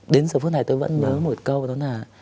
đến giờ phút này tôi vẫn nhớ một câu đó là